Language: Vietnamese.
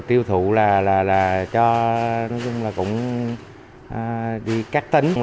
tiêu thụ là cho nói chung là cũng đi các tính